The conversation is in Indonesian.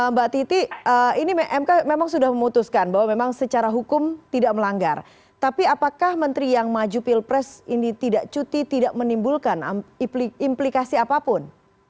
mbak titi ini mk memang sudah memutuskan bahwa memang secara hukum tidak melanggar tapi apakah menteri yang maju pilpres ini tidak cuti tidak menimbulkan implikasi apapun